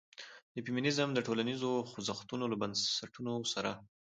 د فيمنيزم د ټولنيزو خوځښتونو له بنسټونو سره